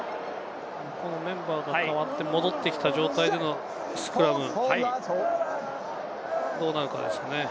メンバーが代わって戻ってきた状態でのスクラム、どうなるかですね。